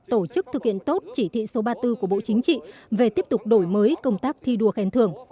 tổ chức thực hiện tốt chỉ thị số ba mươi bốn của bộ chính trị về tiếp tục đổi mới công tác thi đua khen thưởng